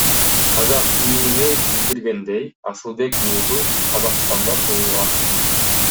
Казак ИИМи билдиргендей, Асылбек уулу Казакстанда туулган.